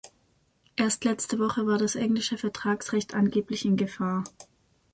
Erst letzte Woche war das englische Vertragsrecht angeblich in Gefahr.